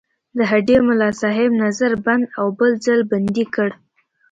د هډې ملاصاحب نظر بند او بل ځل بندي کړ.